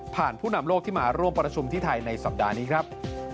ผู้นำโลกที่มาร่วมประชุมที่ไทยในสัปดาห์นี้ครับ